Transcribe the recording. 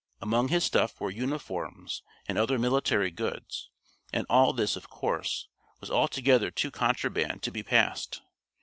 Among his stuff were uniforms and other military goods, and all this, of course, was altogether too contraband to be passed.